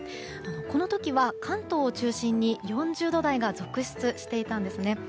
この時は関東を中心に４０度台が続出していたんですね。